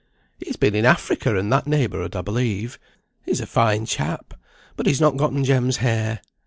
"He's been in Africa and that neighbourhood, I believe. He's a fine chap, but he's not gotten Jem's hair.